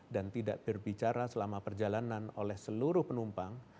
dan tidak berbicara selama perjalanan oleh seluruh penumpang